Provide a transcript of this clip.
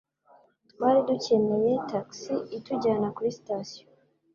Twari dukeneye tagisi itujyana kuri sitasiyo.